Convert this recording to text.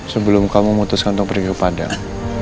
sebelum kamu memutuskan untuk pergi ke padang